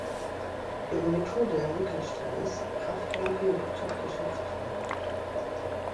Ihre Methode ermöglichte es, Kraftwerke wirtschaftlicher zu fahren.